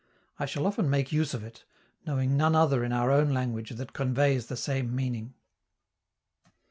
I shall often make use of it, knowing none other in our own language that conveys the same meaning.